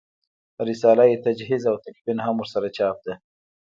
رساله تجهیز او تکفین هم ورسره چاپ ده.